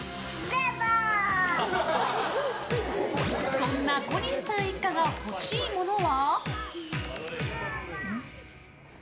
そんな小西さん一家が欲しいものは。